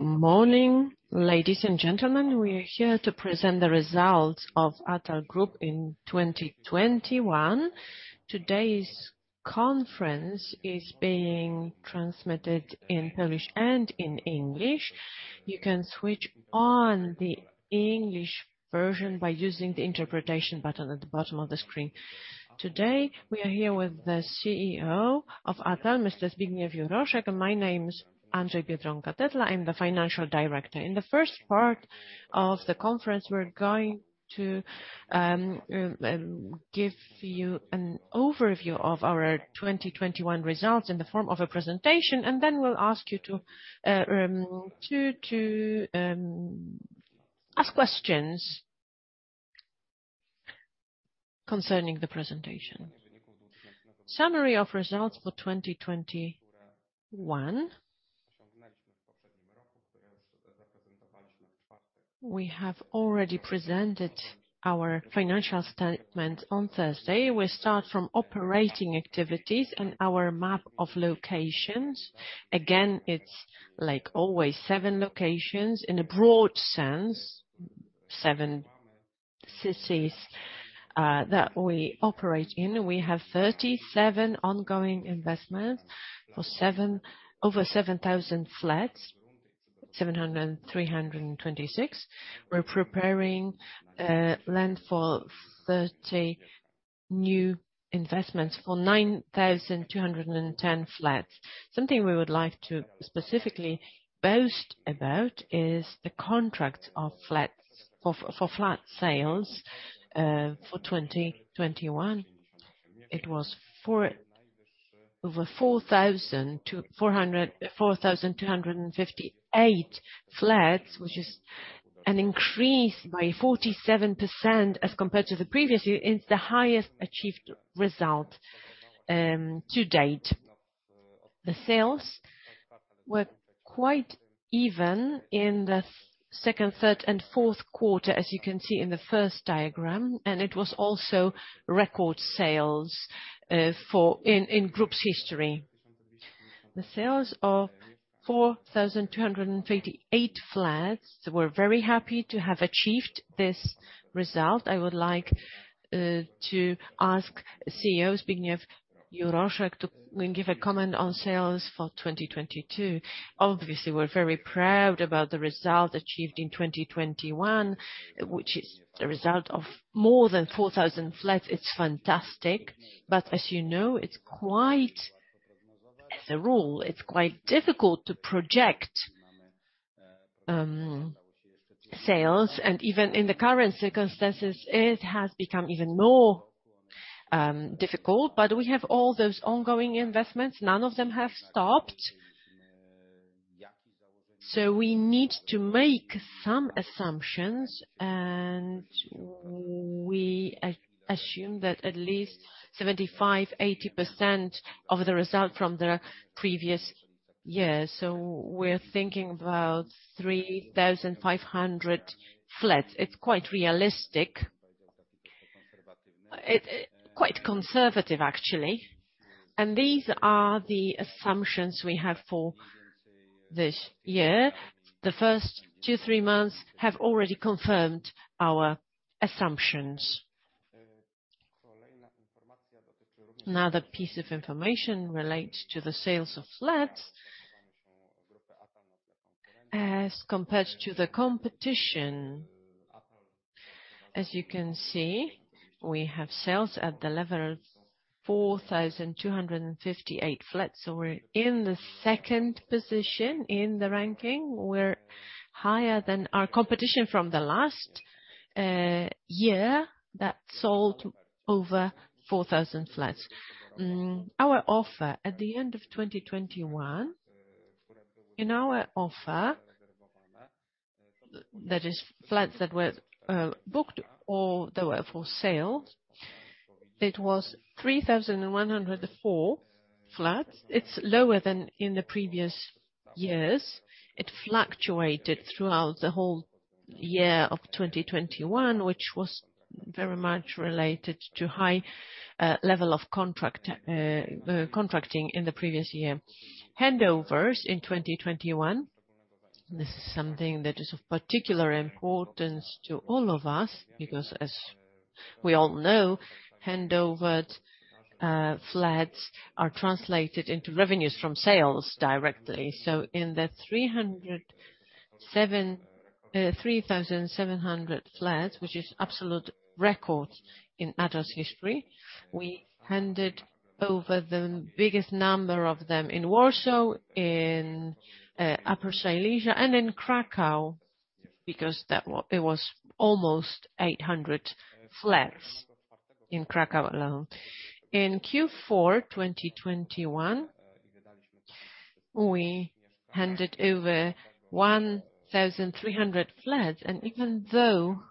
Morning, ladies and gentlemen. We are here to present the results of ATAL Group in 2021. Today's conference is being transmitted in Polish and in English. You can switch on the English version by using the interpretation button at the bottom of the screen. Today, we are here with the CEO of ATAL, Mr. Zbigniew Juroszek. My name is Andrzej Biedronka-Tetla. I'm the financial director. In the first part of the conference, we're going to give you an overview of our 2021 results in the form of a presentation, and then we'll ask you to ask questions concerning the presentation. Summary of results for 2021. We have already presented our financial statement on Thursday. We start from operating activities and our map of locations. Again, it's like always seven locations in a broad sense. Seven cities that we operate in. We have 37 ongoing investments for over 7,000 flats, 736. We're preparing land for 30 new investments for 9,210 flats. Something we would like to specifically boast about is the contract of flats for flat sales for 2021. It was over 4,258 flats, which is an increase by 47% as compared to the previous year. It's the highest achieved result to date. The sales were quite even in the second, third and fourth quarter, as you can see in the first diagram, and it was also record sales in group's history. The sales of 4,258 flats, we're very happy to have achieved this result. I would like to ask CEO, Zbigniew Juroszek, to give a comment on sales for 2022. Obviously, we're very proud about the result achieved in 2021, which is a result of more than 4,000 flats. It's fantastic. As you know, it's quite difficult to project sales. Even in the current circumstances, it has become even more difficult. We have all those ongoing investments. None of them have stopped. We need to make some assumptions, and we assume that at least 75%-80% of the result from the previous year. We're thinking about 3,500 flats. It's quite realistic. It's quite conservative, actually. These are the assumptions we have for this year. The first two, three months have already confirmed our assumptions. Another piece of information relates to the sales of flats. As compared to the competition, as you can see, we have sales at the level of 4,258 flats. We're in the second position in the ranking. We're higher than our competition from the last year that sold over 4,000 flats. Our offer at the end of 2021, in our offer, that is flats that were booked or that were for sale, it was 3,104 flats. It's lower than in the previous years. It fluctuated throughout the whole year of 2021, which was very much related to high level of contracting in the previous year. Handovers in 2021, this is something that is of particular importance to all of us because as we all know, handovers, flats are translated into revenues from sales directly. In the 3,700 flats, which is absolute record in ATAL S.A.'s history, we handed over the biggest number of them in Warsaw, in Upper Silesia, and in Kraków, because it was almost 800 flats in Kraków alone. In Q4 2021, we handed over 1,300 flats. Even though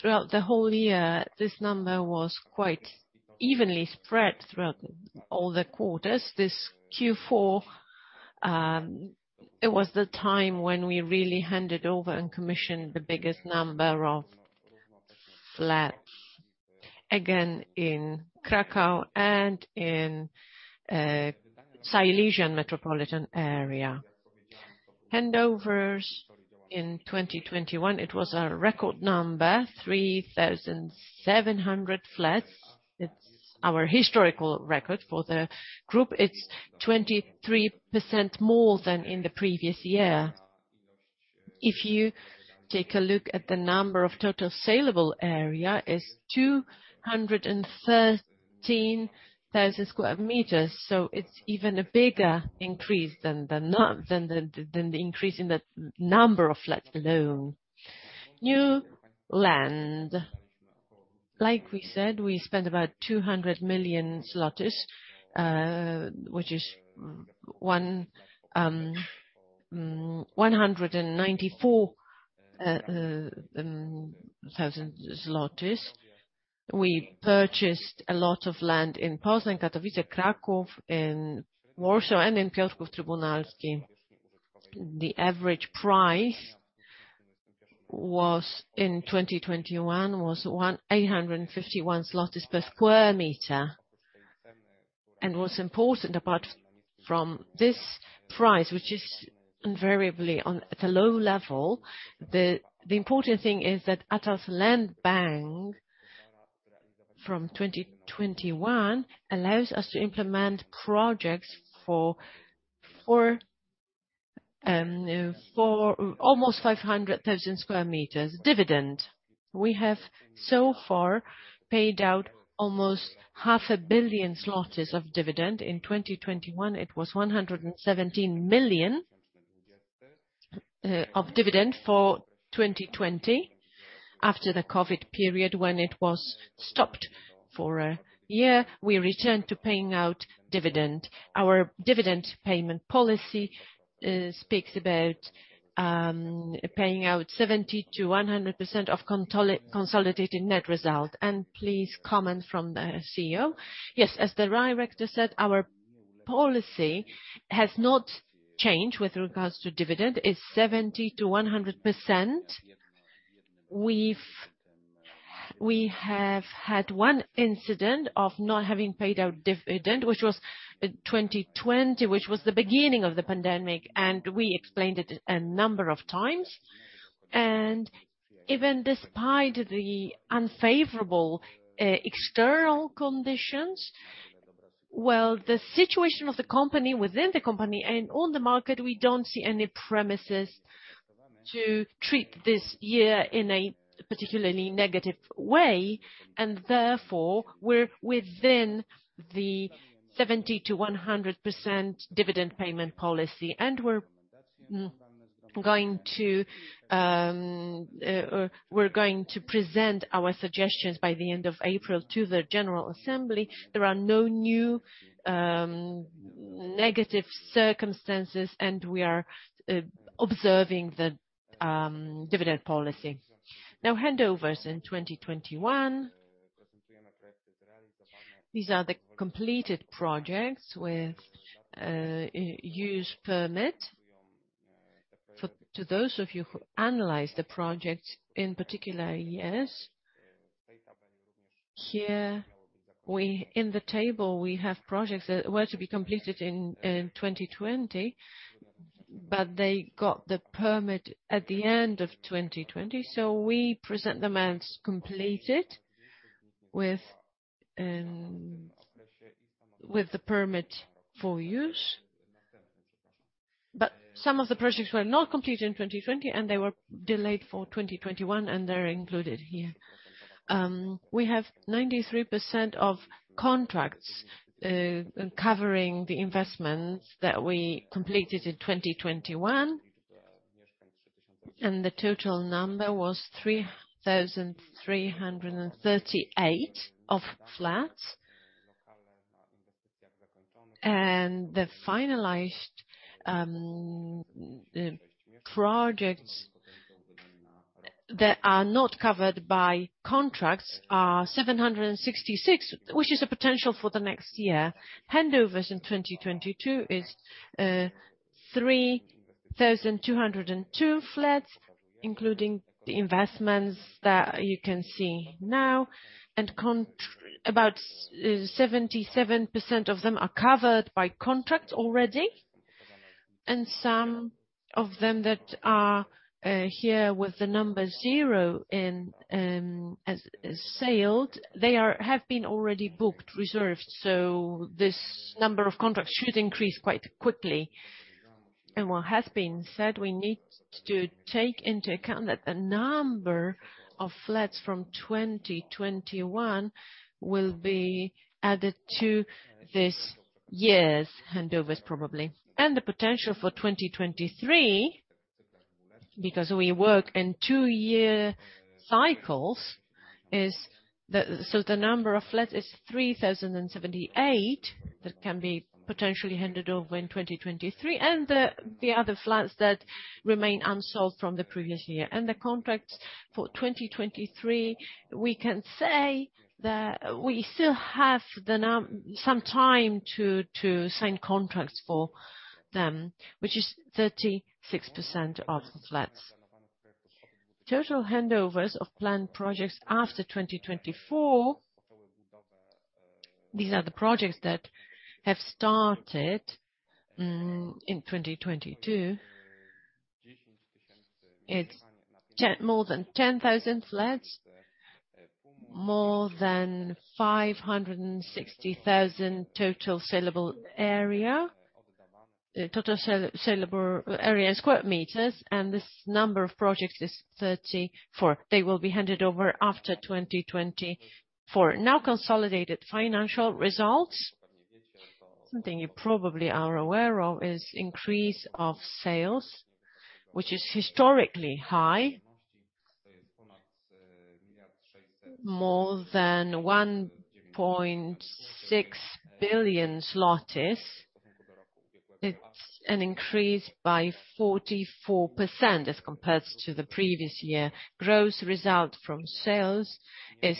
throughout the whole year, this number was quite evenly spread throughout all the quarters, this Q4, it was the time when we really handed over and commissioned the biggest number of flat. Again, in Kraków and in Silesian metropolitan area. Handovers in 2021, it was a record number, 3,700 flats. It's our historical record for the group. It's 23% more than in the previous year. If you take a look at the total saleable area is 213,000 sq m, so it's even a bigger increase than the increase in the number of flats alone. New land. Like we said, we spent about 200 million, which is 194 million. We purchased a lot of land in Poznań, Katowice, Kraków, in Warsaw, and in Piotrków Trybunalski. The average price was, in 2021, 851 zlotys/sq m. What's important, apart from this price, which is invariably at a low level, the important thing is that ATAL's land bank from 2021 allows us to implement projects for almost 500,000 sq m. Dividend. We have so far paid out almost half a billion PLN of dividend. In 2021, it was 117 million PLN of dividend for 2020. After the COVID period when it was stopped for a year, we returned to paying out dividend. Our dividend payment policy speaks about paying out 70%-100% of consolidated net result. Please comment from the CEO. Yes, as the director said, our policy has not changed with regards to dividend. It's 70%-100%. We have had one incident of not having paid out dividend, which was in 2020, which was the beginning of the pandemic, and we explained it a number of times. Even despite the unfavorable external conditions, well, the situation of the company, within the company and on the market, we don't see any premises to treat this year in a particularly negative way. Therefore, we're within the 70%-100% dividend payment policy. We're going to present our suggestions by the end of April to the general assembly. There are no new negative circumstances, and we are observing the dividend policy. Now, handovers in 2021. These are the completed projects with a use permit. To those of you who analyze the projects in particular years, here, in the table, we have projects that were to be completed in 2020, but they got the permit at the end of 2020. We present them as completed with the permit for use. Some of the projects were not completed in 2020, and they were delayed for 2021, and they're included here. We have 93% of contracts covering the investments that we completed in 2021. The total number was 3,338 of flats. The finalized projects that are not covered by contracts are 766, which is a potential for the next year. Handovers in 2022 is 3,202 flats, including the investments that you can see now. About 77% of them are covered by contracts already. Some of them that are here with the number zero in as sold have been already booked, reserved. This number of contracts should increase quite quickly. What has been said, we need to take into account that the number of flats from 2021 will be added to this year's handovers probably. The potential for 2023, because we work in two-year cycles, the number of flats is 3,078 that can be potentially handed over in 2023, and the other flats that remain unsold from the previous year. The contracts for 2023, we can say that we still have some time to sign contracts for them, which is 36% of the flats. Total handovers of planned projects after 2024. These are the projects that have started in 2022. It's more than 10,000 flats, more than 560,000 total sellable area. Total sellable area is sq m, and this number of projects is 34. They will be handed over after 2024. Now consolidated financial results. Something you probably are aware of is increase of sales, which is historically high. More than 1.6 billion zloty. It's an increase by 44% as compared to the previous year. Gross result from sales is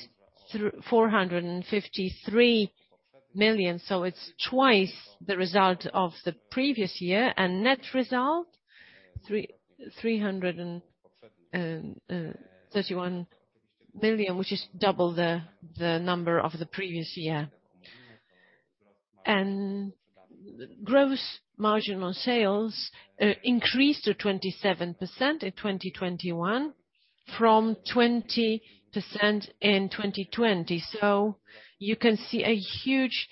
453 million, so it's twice the result of the previous year. Net result, 331 billion, which is double the number of the previous year. Gross margin on sales increased to 27% in 2021 from 20% in 2020. You can see a huge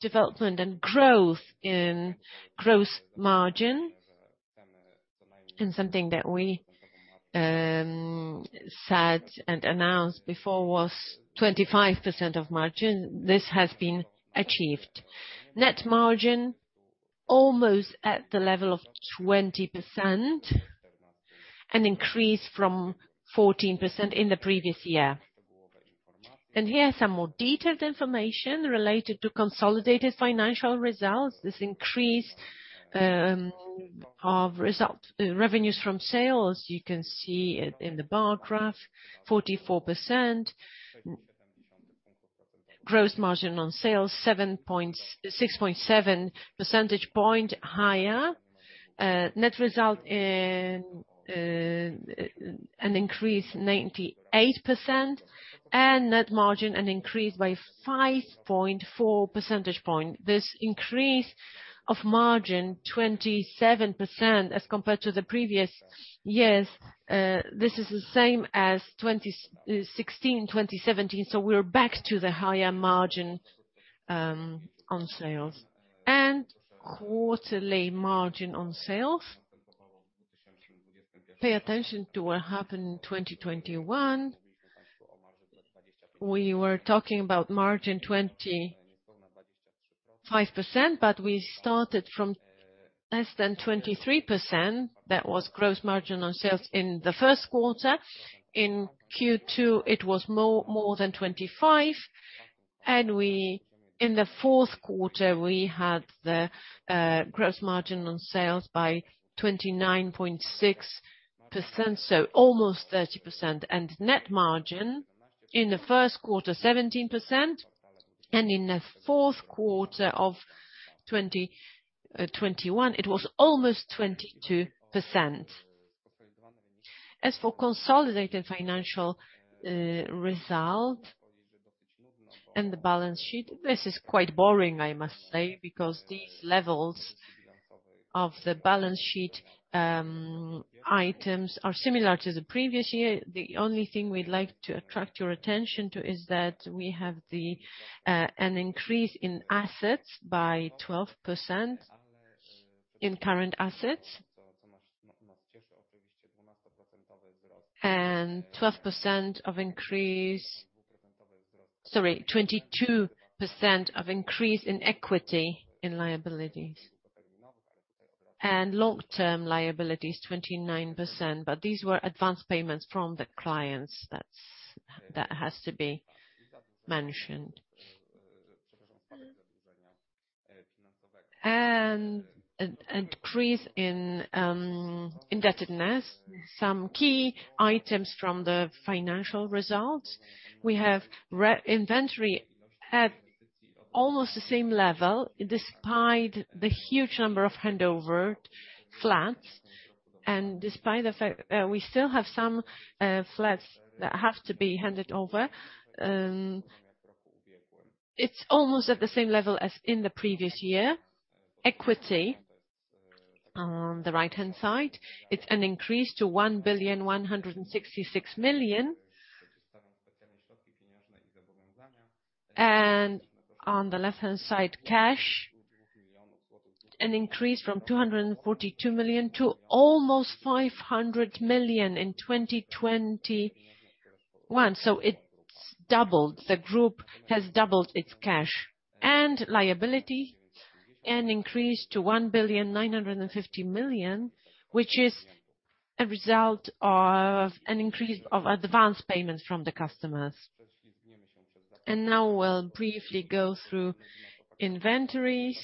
development and growth in gross margin. Something that we said and announced before was 25% of margin. This has been achieved. Net margin almost at the level of 20%, an increase from 14% in the previous year. Here are some more detailed information related to consolidated financial results. This increase in revenues from sales, you can see it in the bar graph, 44%. Gross margin on sales, 6.7 percentage points higher. Net result in an increase 98%, and net margin an increase by 5.4 percentage points. This increase of margin 27% as compared to the previous years, this is the same as 2016, 2017, so we're back to the higher margin on sales. Quarterly margin on sales. Pay attention to what happened in 2021. We were talking about margin 25%, but we started from less than 23%. That was gross margin on sales in the first quarter. In Q2, it was more than 25%, and in the fourth quarter, we had the gross margin on sales by 29.6%, so almost 30%. Net margin in the first quarter 17%, and in the fourth quarter of 2021, it was almost 22%. As for consolidated financial result and the balance sheet, this is quite boring I must say, because these levels of the balance sheet items are similar to the previous year. The only thing we'd like to attract your attention to is that we have an increase in assets by 12% in current assets. 12% increase. Sorry, 22% increase in equity and liabilities. Long-term liability is 29%, but these were advance payments from the clients. That has to be mentioned. An increase in indebtedness. Some key items from the financial results. We have inventory at almost the same level despite the huge number of handover flats and despite the fact we still have some flats that have to be handed over. It's almost at the same level as in the previous year. Equity on the right-hand side, it's an increase to 1.166 billion. On the left-hand side, cash, an increase from 242 million to almost 500 million in 2021. It's doubled. The group has doubled its cash. Liability, an increase to 1.950 billion, which is a result of an increase of advance payments from the customers. Now we'll briefly go through inventories,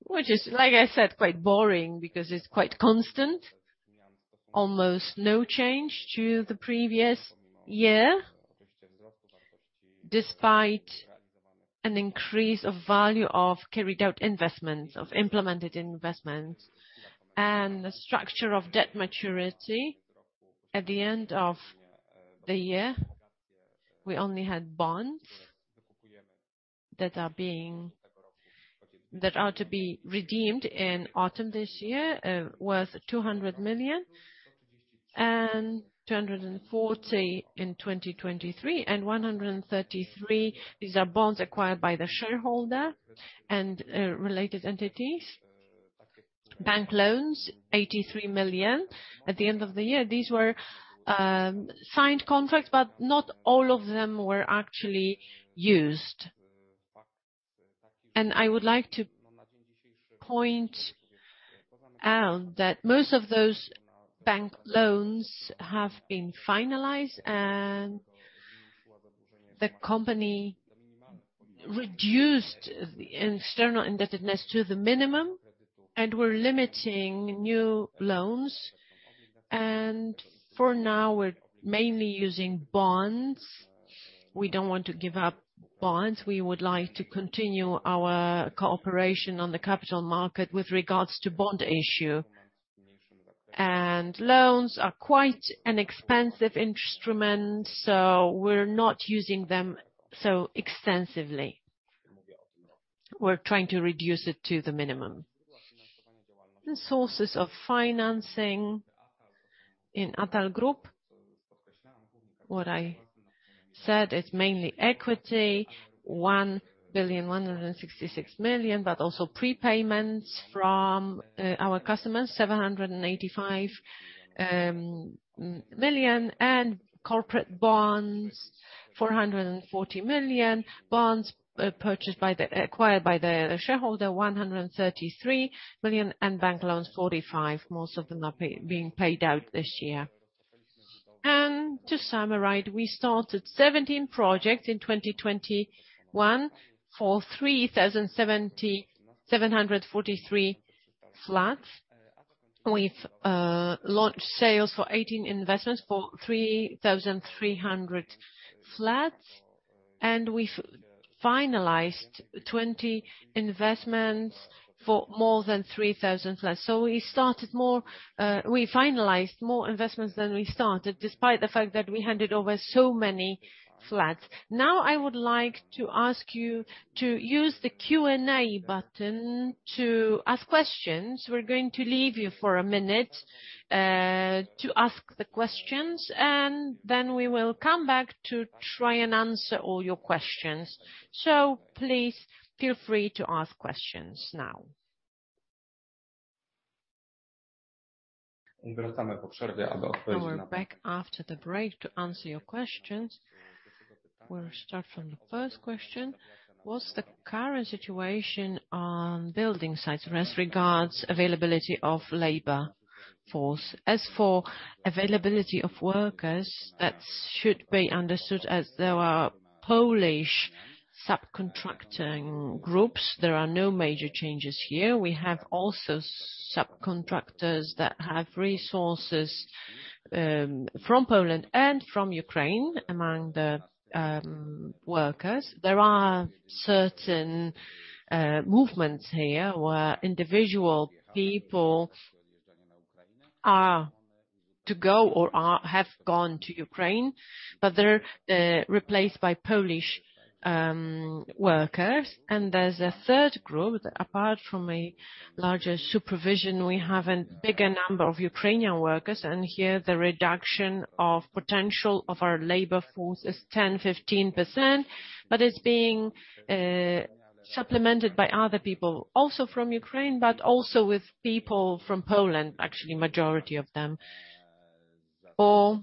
which is, like I said, quite boring because it's quite constant. Almost no change to the previous year, despite an increase of value of carried out investments, of implemented investments. The structure of debt maturity. At the end of the year, we only had bonds that are to be redeemed in autumn this year, worth 200 million and 240 in 2023, and 133. These are bonds acquired by the shareholder and related entities. Bank loans, 83 million. At the end of the year, these were signed contracts, but not all of them were actually used. I would like to point out that most of those bank loans have been finalized, and the company reduced the external indebtedness to the minimum, and we're limiting new loans. For now, we're mainly using bonds. We don't want to give up bonds. We would like to continue our cooperation on the capital market with regards to bond issue. Loans are quite an expensive instrument, so we're not using them so extensively. We're trying to reduce it to the minimum. The sources of financing in ATAL Group, what I said, it's mainly equity, 1.166 billion, but also prepayments from our customers, 785 million, and corporate bonds, 440 million, acquired by the shareholder, 133 million, and bank loans, 45 million. Most of them are being paid out this year. To summarize, we started 17 projects in 2021 for 3,774 flats. We've launched sales for 18 investments for 3,300 flats, and we've finalized 20 investments for more than 3,000 flats. We started more, we finalized more investments than we started, despite the fact that we handed over so many flats. Now, I would like to ask you to use the Q&A button to ask questions. We're going to leave you for a minute, to ask the questions, and then we will come back to try and answer all your questions. Please feel free to ask questions now. We're back after the break to answer your questions. We'll start from the first question. What's the current situation on building sites as regards availability of labor force? As for availability of workers, that should be understood as there are Polish subcontracting groups. There are no major changes here. We have also subcontractors that have resources, from Poland and from Ukraine among the workers. There are certain movements here where individual people have gone to Ukraine, but they're replaced by Polish workers. There's a third group that apart from a larger supervision, we have a bigger number of Ukrainian workers. Here, the reduction of potential of our labor force is 10%-15%, but it's being supplemented by other people, also from Ukraine, but also with people from Poland, actually, majority of them. All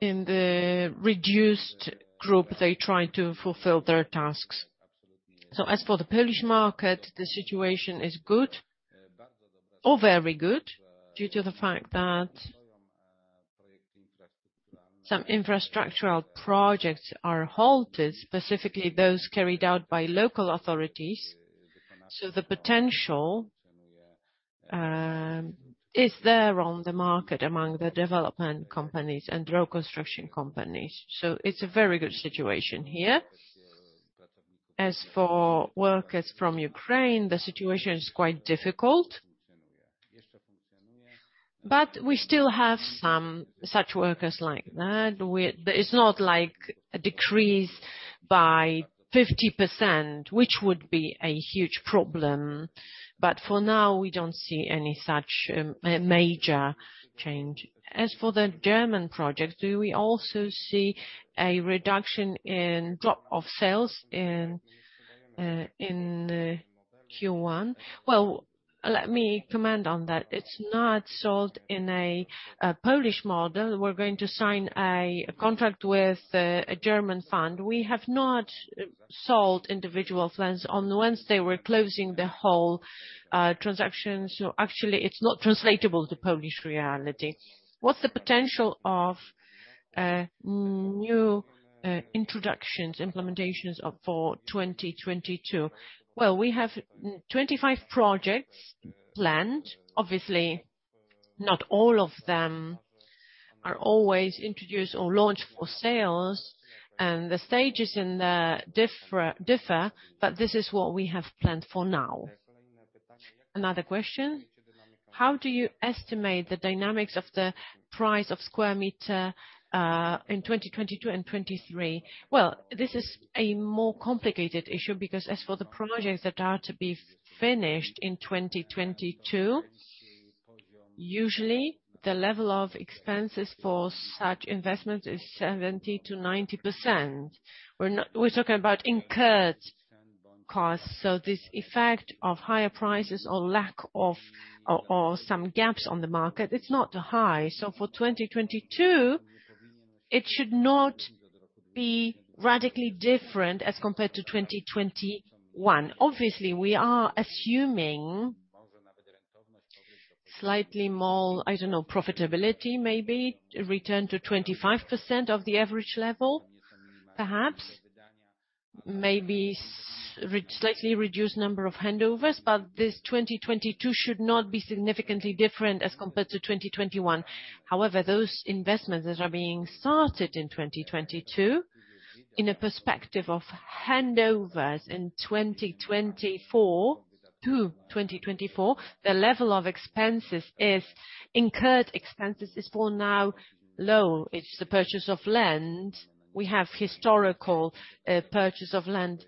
in the reduced group, they try to fulfill their tasks. As for the Polish market, the situation is good or very good due to the fact that some infrastructural projects are halted, specifically those carried out by local authorities. The potential is there on the market among the development companies and road construction companies. It's a very good situation here. As for workers from Ukraine, the situation is quite difficult, but we still have some such workers like that. It's not like a decrease by 50%, which would be a huge problem. For now, we don't see any such major change. As for the German project, do we also see a reduction or drop in sales in Q1? Well, let me comment on that. It's not sold in a Polish model. We're going to sign a contract with a German fund. We have not sold individual plans. On Wednesday, we're closing the whole transaction. Actually, it's not translatable to Polish reality. What's the potential of new introductions, implementations for 2022? Well, we have 25 projects planned. Obviously, not all of them are always introduced or launched for sales, and the stages in there differ, but this is what we have planned for now. Another question. How do you estimate the dynamics of the price of square meter in 2022 and 2023? Well, this is a more complicated issue because as for the projects that are to be finished in 2022, usually the level of expenses for such investment is 70%-90%. We're talking about incurred costs. So this effect of higher prices or lack of, or some gaps on the market, it's not high. So for 2022, it should not be radically different as compared to 2021. Obviously, we are assuming slightly more, I don't know, profitability maybe, return to 25% of the average level, perhaps. Maybe slightly reduced number of handovers, but this 2022 should not be significantly different as compared to 2021. However, those investments that are being started in 2022 in a perspective of handovers in 2024, the level of incurred expenses is for now low. It's the purchase of land. We have historically low purchase of land,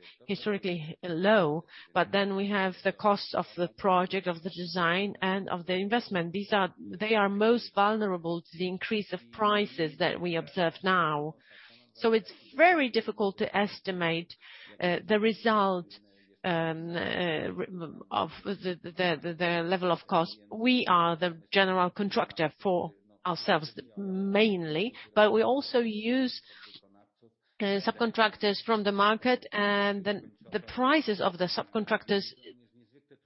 but then we have the cost of the project, of the design and of the investment. These are most vulnerable to the increase of prices that we observe now. It's very difficult to estimate the result of the level of cost. We are the general contractor for ourselves mainly, but we also use subcontractors from the market, and then the prices of the subcontractors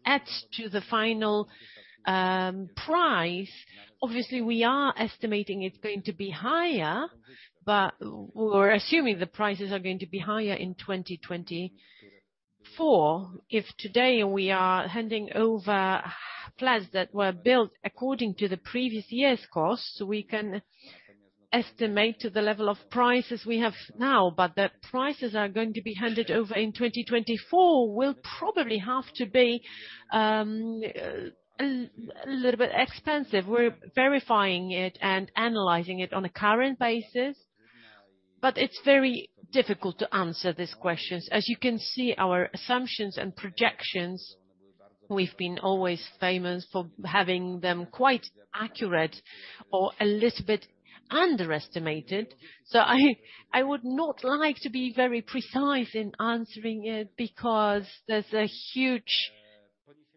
adds to the final price. Obviously, we are estimating it's going to be higher, but we're assuming the prices are going to be higher in 2024. If today we are handing over flats that were built according to the previous year's costs, we can estimate the level of prices we have now. The prices are going to be handed over in 2024 will probably have to be a little bit expensive. We're verifying it and analyzing it on a current basis, but it's very difficult to answer these questions. As you can see, our assumptions and projections, we've been always famous for having them quite accurate or a little bit underestimated. I would not like to be very precise in answering it because there's a huge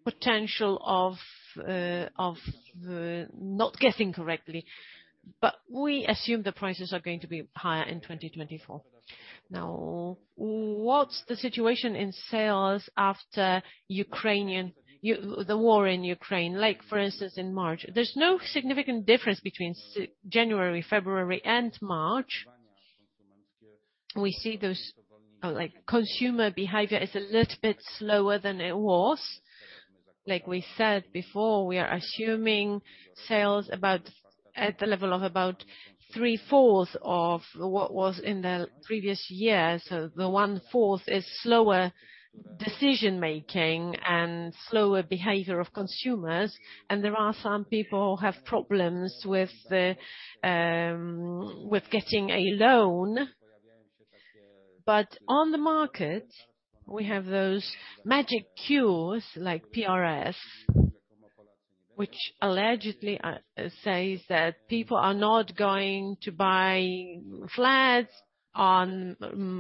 potential of not guessing correctly. We assume the prices are going to be higher in 2024. Now, what's the situation in sales after the war in Ukraine, like for instance, in March? There's no significant difference between January, February and March. We see those, like consumer behavior is a little bit slower than it was. Like we said before, we are assuming sales about at the level of about 3/4 of what was in the previous year. The 1/4 is slower decision-making and slower behavior of consumers. There are some people have problems with the, with getting a loan. On the market, we have those magic cures like PRS, which allegedly, says that people are not going to buy flats on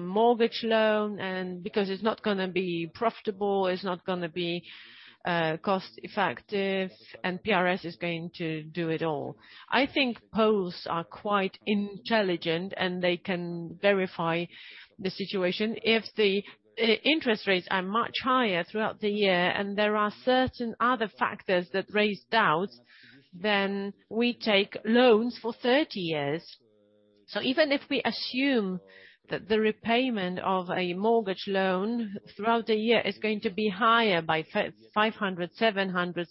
mortgage loan, and because it's not gonna be profitable, it's not gonna be cost-effective, and PRS is going to do it all. I think Poles are quite intelligent, and they can verify the situation. If the interest rates are much higher throughout the year and there are certain other factors that raise doubts, then we take loans for 30 years. Even if we assume that the repayment of a mortgage loan throughout the year is going to be higher by 500-700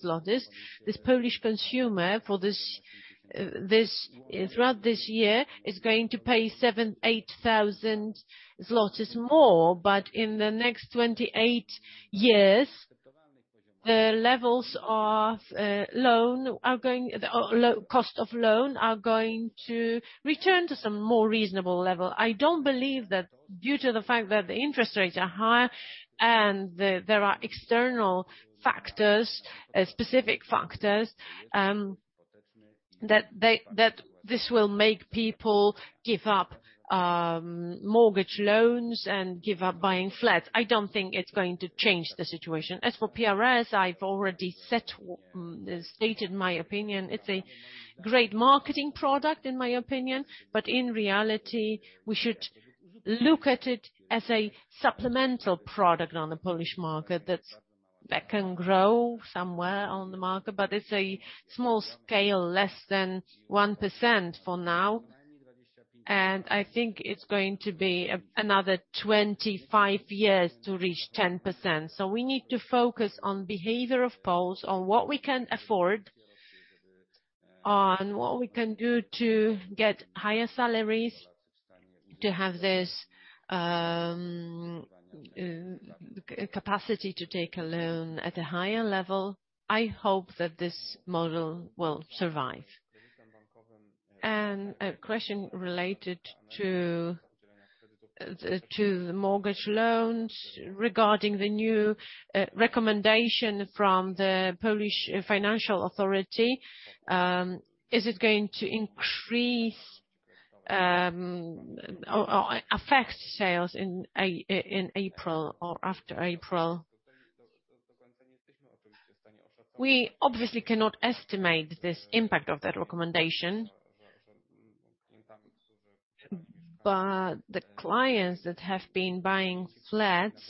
zlotys, this Polish consumer for this, throughout this year, is going to pay 7,000-8,000 zlotys more. In the next 28 years, the levels of cost of loan are going to return to some more reasonable level. I don't believe that due to the fact that the interest rates are higher, and there are external factors, specific factors, that this will make people give up mortgage loans and give up buying flats. I don't think it's going to change the situation. As for PRS, I've already stated my opinion. It's a great marketing product, in my opinion, but in reality, we should look at it as a supplemental product on the Polish market that can grow somewhere on the market. It's a small scale, less than 1% for now, and I think it's going to be another 25 years to reach 10%. We need to focus on behavior of Poles, on what we can afford, on what we can do to get higher salaries, to have this capacity to take a loan at a higher level. I hope that this model will survive. A question related to the mortgage loans regarding the new recommendation from the Polish Financial Supervision Authority. Is it going to increase or affect sales in April or after April? We obviously cannot estimate this impact of that recommendation. The clients that have been buying flats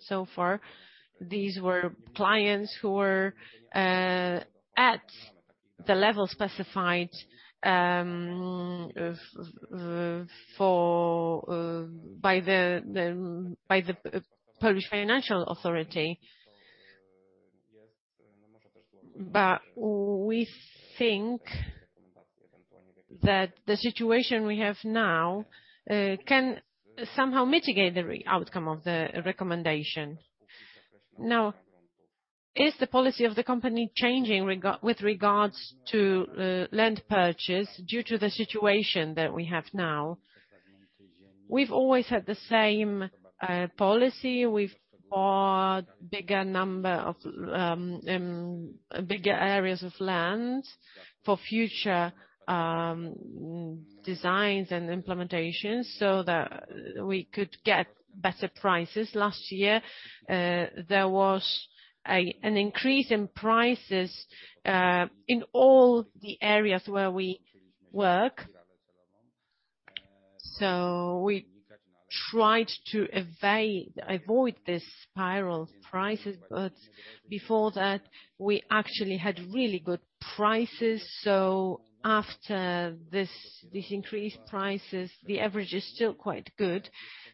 so far, these were clients who were at the level specified by the Polish Financial Supervision Authority. We think that the situation we have now can somehow mitigate the outcome of the recommendation. Now, is the policy of the company changing with regards to land purchase due to the situation that we have now? We've always had the same policy. We've bought bigger number of bigger areas of land for future designs and implementations so that we could get better prices. Last year there was an increase in prices in all the areas where we work. We tried to avoid this price spiral, but before that, we actually had really good prices. After this, these increased prices, the average is still quite good.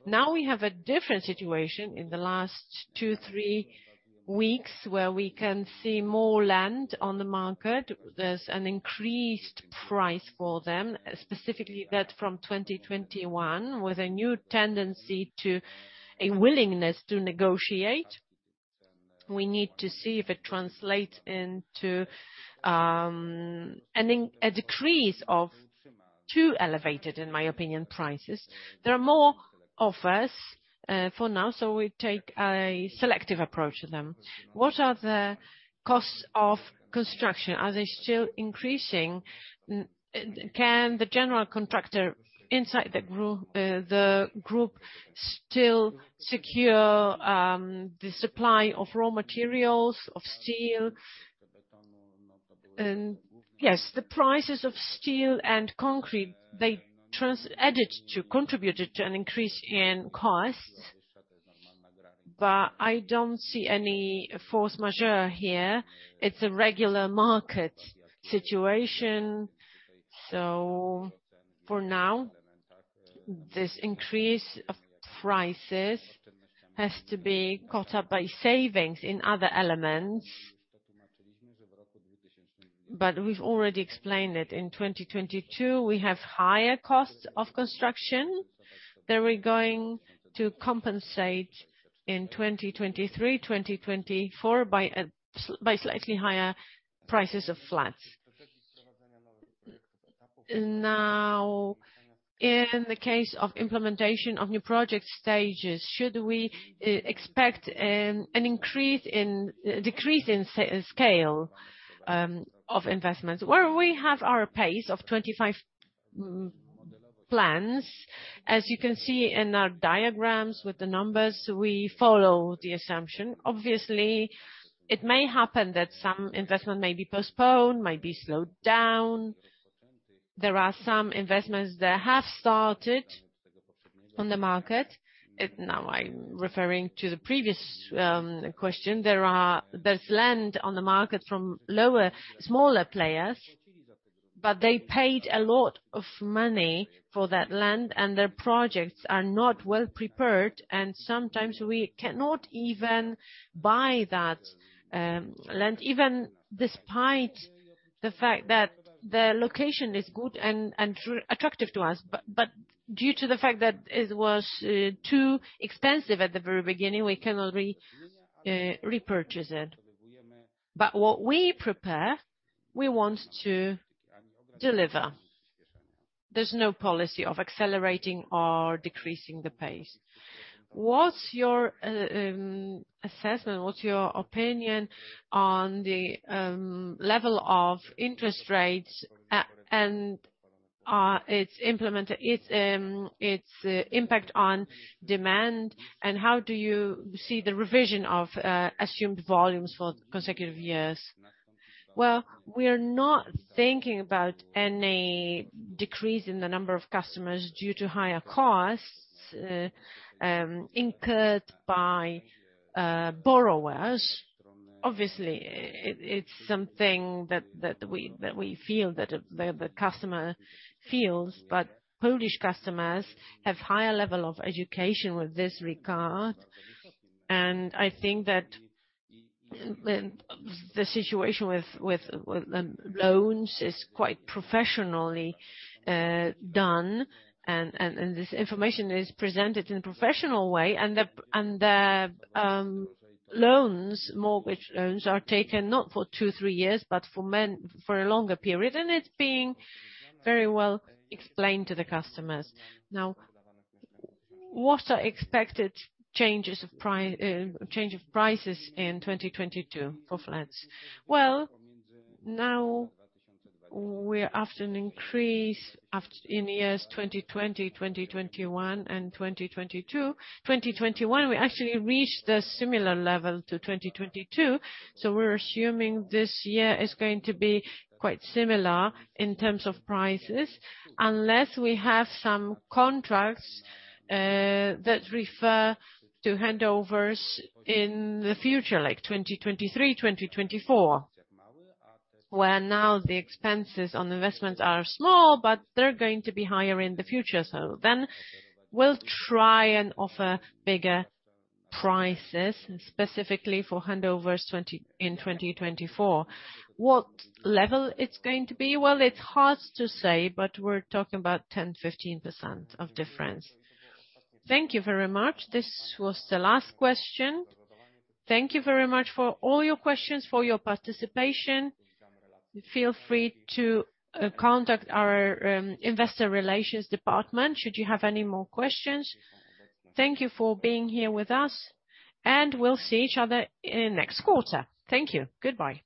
Now we have a different situation in the last two, three weeks where we can see more land on the market. There's an increased price for them, specifically that from 2021, with a new tendency to a willingness to negotiate. We need to see if it translates into a decrease of too elevated, in my opinion, prices. There are more offers, for now, so we take a selective approach to them. What are the costs of construction? Are they still increasing? Can the general contractor inside the group still secure the supply of raw materials, of steel? Yes, the prices of steel and concrete, they added to, contributed to an increase in costs. I don't see any force majeure here. It's a regular market situation. For now, this increase of prices has to be caught up by savings in other elements. We've already explained that in 2022, we have higher costs of construction that we're going to compensate in 2023, 2024 by slightly higher prices of flats. Now, in the case of implementation of new project stages, should we expect a decrease in scale of investments? Well, we have our pace of 25 plans. As you can see in our diagrams with the numbers, we follow the assumption. Obviously, it may happen that some investment may be postponed, might be slowed down. There are some investments that have started on the market. Now, I'm referring to the previous question. There's land on the market from lower, smaller players, but they paid a lot of money for that land, and their projects are not well prepared, and sometimes we cannot even buy that land, even despite the fact that the location is good and attractive to us. Due to the fact that it was too expensive at the very beginning, we cannot repurchase it. What we prepare, we want to deliver. There's no policy of accelerating or decreasing the pace. What's your assessment, what's your opinion on the level of interest rates and its implemented impact on demand, and how do you see the revision of assumed volumes for consecutive years? Well, we are not thinking about any decrease in the number of customers due to higher costs incurred by borrowers. Obviously, it's something that we feel that the customer feels. Polish customers have higher level of education with this regard. I think that the situation with loans is quite professionally done, and this information is presented in a professional way. The mortgage loans are taken not for two, three years, but for a longer period. It's being very well explained to the customers. Now, what are expected changes of prices in 2022 for flats? Well, now we're after an increase in years 2020, 2021, and 2022. 2021, we actually reached a similar level to 2022, so we're assuming this year is going to be quite similar in terms of prices, unless we have some contracts that refer to handovers in the future, like 2023, 2024, where now the expenses on investments are small, but they're going to be higher in the future. We'll try and offer bigger prices, specifically for handovers in 2024. What level it's going to be? Well, it's hard to say, but we're talking about 10%-15% difference. Thank you very much. This was the last question. Thank you very much for all your questions, for your participation. Feel free to contact our investor relations department should you have any more questions. Thank you for being here with us, and we'll see each other in next quarter. Thank you. Goodbye.